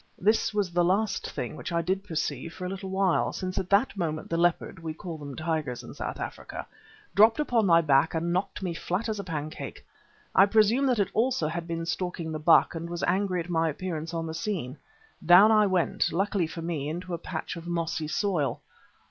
This was the last thing which I did perceive for a little while, since at that moment the leopard we call them tigers in South Africa dropped upon my back and knocked me flat as a pancake. I presume that it also had been stalking the buck and was angry at my appearance on the scene. Down I went, luckily for me, into a patch of mossy soil.